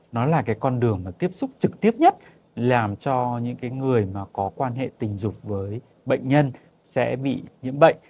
nó là cái con đường mà tiếp xúc trực tiếp nhất làm cho những cái người mà có quan hệ tình dục với bệnh nhân sẽ bị nhiễm bệnh